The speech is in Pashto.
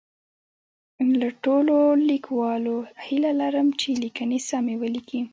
له ټولو لیکوالو هیله لرم چي لیکنې سمی ولیکي